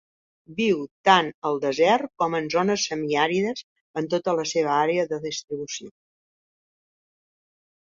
Viu tant al desert com en zones semiàrides en tota la seva àrea de distribució.